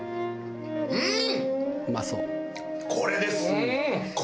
うん！